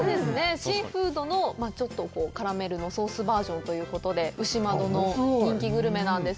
シーフードのちょっとカラメルのソースバージョンということで牛窓の人気グルメなんです